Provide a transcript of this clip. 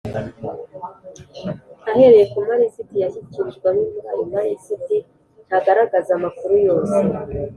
ahereye ku malisiti yashyikirijwe Amwe muri ayo malisiti ntagaragaza amakuru yose